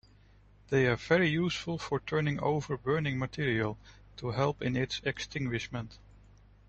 They are very useful for turning over burning material, to help in its extinguishment.